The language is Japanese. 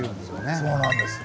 そうなんですね。